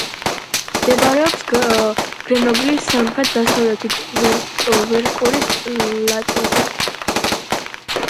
მდებარეობს გრენობლის სამხრეთ-დასავლეთით, ვერკორის პლატოზე.